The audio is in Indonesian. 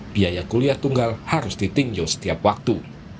biaya kuliah tunggal harus ditinjau setiap waktu